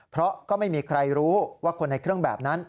เพราะก็ไม่มีใครรู้ว่าคนในเครื่องแบบนั้น